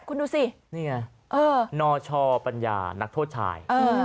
คุณดูสินี่ไงเอ่อนอชอปัญญานักโทษชายเออ